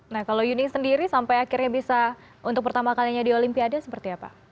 nah kalau yuni sendiri sampai akhirnya bisa untuk pertama kalinya di olimpiade seperti apa